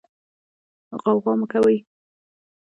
غوغا مه کوئ.